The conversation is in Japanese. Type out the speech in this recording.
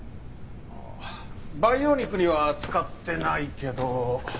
ああ培養肉には使ってないけど。